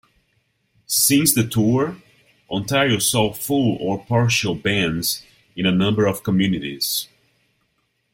Since the tour, Ontario saw full or partial bans in a number of communities.